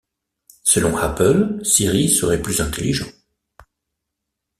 Selon Apple, Siri serait plus intelligent.